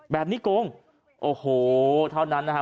แบบนี้กงโอ้โหเท่านั้นนะคะ